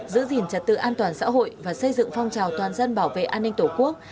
giữ gìn trật tự an toàn xã hội và xây dựng phong trào toàn dân bảo vệ an ninh tổ quốc